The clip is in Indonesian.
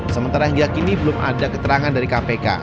sementara hingga kini belum ada keterangan dari kpk